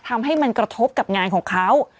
ทำให้มันกระทบกับงานของเขา